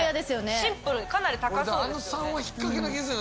シンプルにかなり高そうです